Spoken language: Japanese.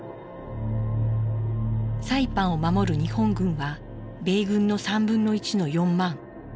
サイパンを守る日本軍は米軍の３分の１の４万。